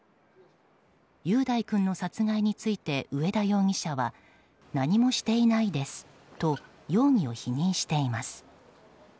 雄大君の殺害について上田容疑者は何もしていないですと容疑を否認しています。